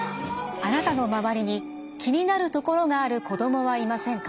あなたの周りに気になるところがある子どもはいませんか？